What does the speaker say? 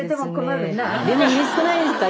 でもうれしくないですか？